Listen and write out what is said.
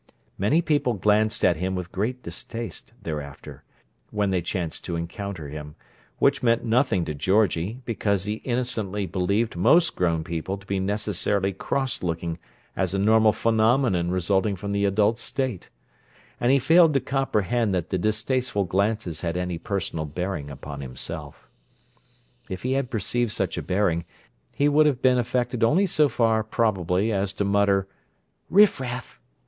Many people glanced at him with great distaste, thereafter, when they chanced to encounter him, which meant nothing to Georgie, because he innocently believed most grown people to be necessarily cross looking as a normal phenomenon resulting from the adult state; and he failed to comprehend that the distasteful glances had any personal bearing upon himself. If he had perceived such a bearing, he would have been affected only so far, probably, as to mutter, "Riffraff!"